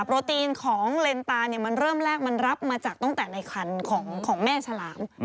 โปรตีนของเลนตามันเริ่มแรกมันรับมาจากตั้งแต่ในคันของแม่ฉลาม